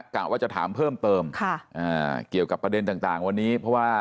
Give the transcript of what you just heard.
กล่าวว่าจะถามเพิ่มเติมเกี่ยวกับประเด็นต่างวันนี้